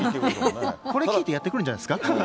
これ聞いてやってくれるんじゃないですか。